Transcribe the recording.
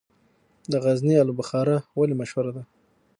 د غزني الو بخارا ولې مشهوره ده؟